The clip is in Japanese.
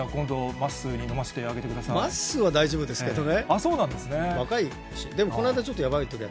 まっすーは大丈夫ですけどね。